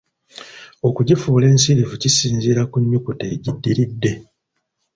Okugifuula ensirifu kisinziira ku nnyukuta egiddiridde.